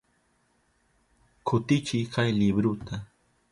Kutichiy kay libruta.